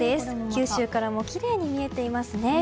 九州からもきれいに見えていますね。